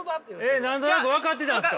え何となく分かってたんですか？